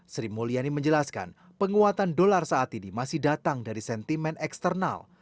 sri mulyani menjelaskan penguatan dolar saat ini masih datang dari sentimen eksternal